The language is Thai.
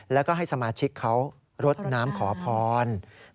แล้วก็ให้สมาชิกเขารดน้ำขอพร